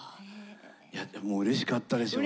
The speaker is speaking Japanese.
いやでもうれしかったでしょうね。